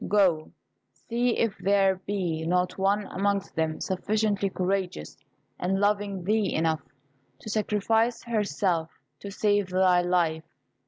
Go; see if there be not one amongst them sufficiently courageous, and loving thee enough, to sacrifice herself to save thy life.